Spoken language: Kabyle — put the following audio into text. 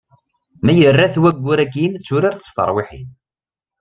Ma yerra-t waggur akin d turart s tarwiḥin.